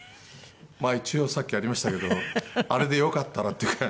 まあ一応さっきありましたけどあれでよかったらっていう感じで。